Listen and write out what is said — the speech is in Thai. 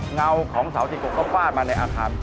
เงาของเสาจิกกก็ฟาดมาในอาคาร